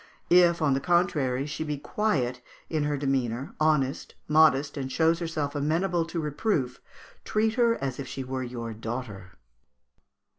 If, on the contrary, she be quiet in her demeanour, honest, modest, and shows herself amenable to reproof, treat her as if she were your daughter.